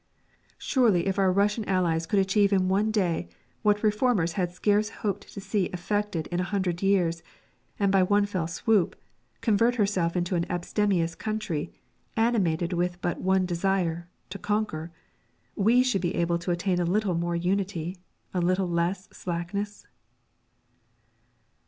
Surely if our Russian Allies could achieve in one day what reformers had scarce hoped to see effected in a hundred years, and by one fell swoop convert herself into an abstemious country, animated with but one desire to conquer we should be able to attain a little more unity, a little less slackness?